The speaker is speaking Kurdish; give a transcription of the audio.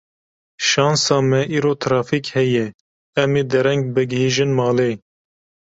Şansa me îro trafîk heye, em ê dereng bigihîjin malê.